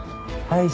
はい！